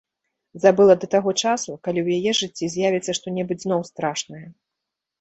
Забыла да таго часу, калі ў яе жыцці з'явіцца што-небудзь зноў страшнае.